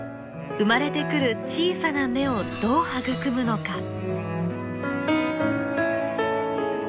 生まれてくる小さな芽をどう育むのか。